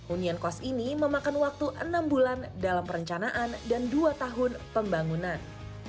unian kos ini memakan waktu enam bulan dalam perencanaan dan dua tahun pembangunan